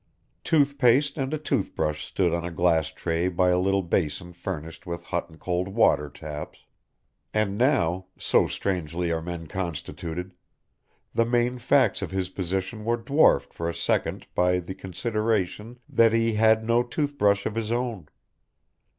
Tooth paste and a tooth brush stood on a glass tray by a little basin furnished with hot and cold water taps, and now, so strangely are men constituted, the main facts of his position were dwarfed for a second by the consideration that he had no tooth brush of his own.